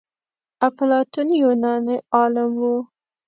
افلاطون يو يوناني عالم و.